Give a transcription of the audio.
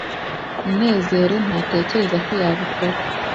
munezero ntatekereza ko yabikora